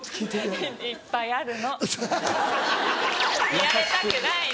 見られたくないの。